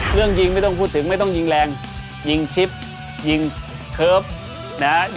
เรื่องยิงไม่ต้องพูดถึงไม่ต้องยิงแรงยิงยิงนะฮะ